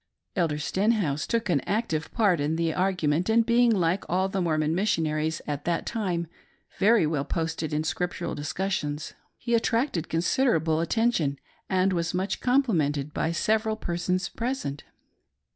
Elder Stenhouse took an active part in the argu ment, and being, like all the Mormon missionaries at that time, very well posted in Scriptural discussions, he attracted considerable attention, and was much complimented by sev eral persons present.